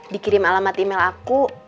dikirim alamat email aku